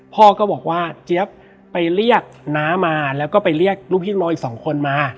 พ่อก็บอกว่าเจี๊ยบไปเรียกน้ามาแล้วก็ไปเรียกลูกพี่ลูกน้องอีกสองคนมา